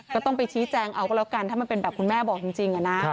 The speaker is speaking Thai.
ก็ต้องไปชี้แจงเอาก็แล้วกันถ้ามันเป็นแบบคุณแม่บอกจริงอะนะ